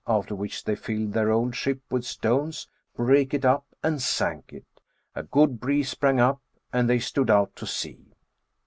After which they filled their old ship with stones, brake it up and sank it. A good breeze sprang up, and they stood out to sea.